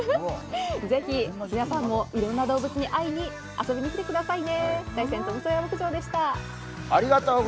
ぜひ皆さんもいろいろな動物に会いに遊びに来てくださいね。